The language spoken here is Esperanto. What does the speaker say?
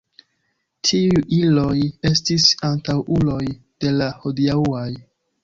Tiuj iloj estis antaŭuloj de la hodiaŭaj.